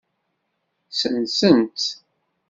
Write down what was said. Sensen-tt.